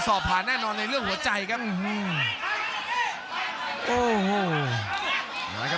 สอบผ่านแน่นอนในเรื่องหัวใจค่ะ